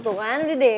bunga udah deh